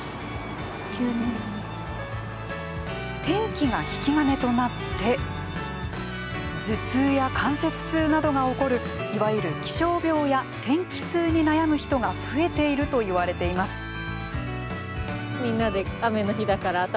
天気が引き金となって頭痛や関節痛などが起こるいわゆる気象病や天気痛に悩む人が増えているといわれています。